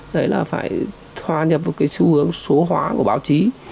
đấy là phải hòa nhập vào cái xu hướng số hóa của báo chí